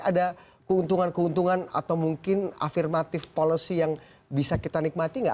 ada keuntungan keuntungan atau mungkin afirmatif policy yang bisa kita nikmati nggak